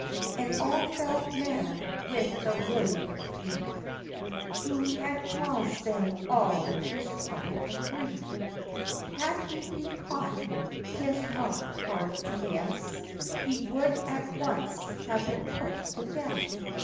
OF CHANTICLEER. 17 And all felt mad with the wily thief, Who had caused them all this trouble and grief Had he been caught, 'tis not hard to guess He would at once have been put to death.